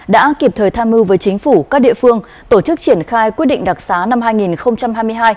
đã kịp thời tham mưu với chính phủ các địa phương tổ chức triển khai quyết định đặc xá năm hai nghìn hai mươi hai